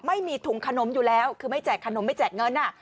ไม่มีถุงขนมอยู่แล้วคือไม่แจกขนมไม่แจกเงิน